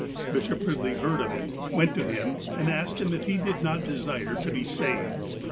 Bishop Eidley heard of it, went to him, and asked him if he did not desire to be "saved."